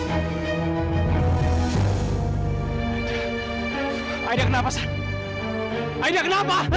aida aida kenapa san aida kenapa